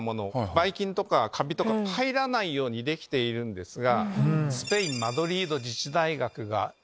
ばい菌とかカビとか入らないようにできているんですが。